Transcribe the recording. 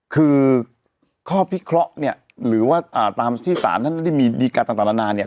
คือข้อพิเคราะห์เนี่ยหรือว่าตามที่ศาลท่านได้มีดีการต่างนานาเนี่ย